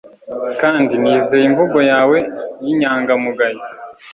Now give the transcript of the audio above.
kandi nizeye imvugo yawe y'inyangamugayo